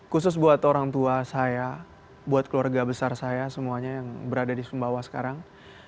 khusus buat orang tua saya buat keluarga besar saya semuanya yang berada di sumbawa sekarang